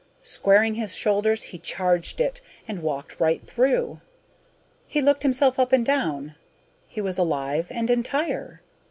Squaring his shoulders, he charged it ... and walked right through. He looked himself up and down. He was alive and entire.